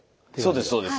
そうですそうです。